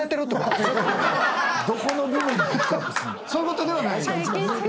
そういうことではない？